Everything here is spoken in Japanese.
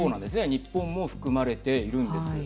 日本も含まれているんです。